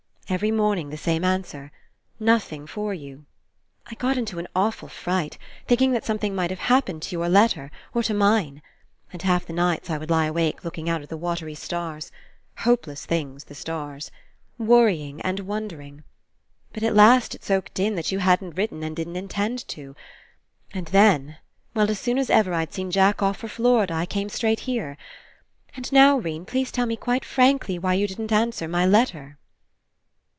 Every morning the same an swer: 'Nothing for you.' I got into an awful fright, thinking that something might have happened to your letter, or to mine. And half the nights I would lie awake looking out at the watery stars — hopeless things, the stars — worrying and wondering. But at last it soaked in, that you hadn't written and didn't Intend to. And then — well, as soon as ever I'd seen Jack off for Florida, I came straight here. And now, 'Rene, please tell me quite frankly why you didn't answer my letter."